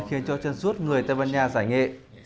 khiến cho chân suốt người tây ban nha giải nghệ